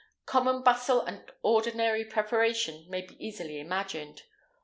Common bustle and ordinary preparation may be easily imagined.